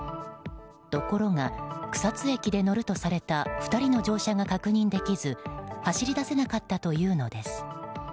ところが草津駅で乗るとされた２人の乗車が確認できず走り出せなかったというのです。